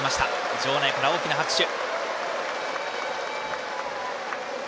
場内から大きな拍手。